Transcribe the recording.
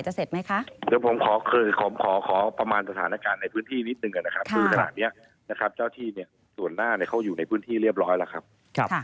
จะเสร็จไหมคะ